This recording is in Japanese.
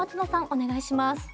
お願いします。